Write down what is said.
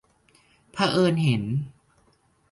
เผอิญเห็น